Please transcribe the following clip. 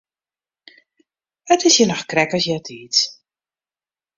It is hjir noch krekt as eartiids.